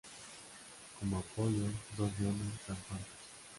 Como apoyo, dos leones rampantes.